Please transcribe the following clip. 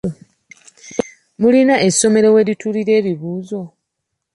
Mulina essomero werituulira ebibuuzo?